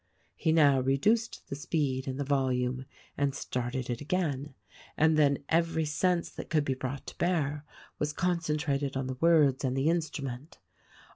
He now reduced the speed and the volume and started it again ; and then every sense that could be brought to bear was concentrated on the words and the instrument.